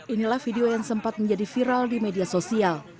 inilah video yang sempat menjadi viral di media sosial